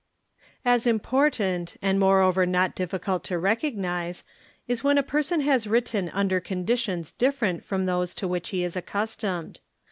_ As important and moreover not difficult to recognise is when a person has written under conditions different from those to which he "18 accustomed.